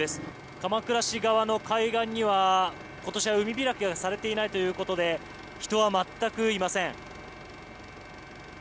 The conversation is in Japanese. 鎌倉市側の海岸には今年は海開きはされていないということで人は全くいません。